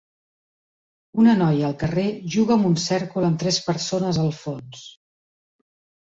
Una noia al carrer juga amb un cèrcol amb tres persones al fons.